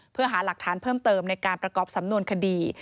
เพื่อหาหลักฐานเพิ่มเติมในการประกอบสำนวนคดี